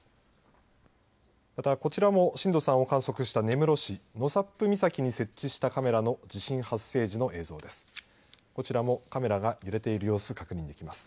また、こちらも震度３を観測した根室市納沙布岬に設置したカメラの地震発生時の映像です。